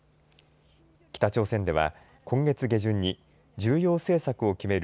北朝鮮では今月下旬に重要政策を決める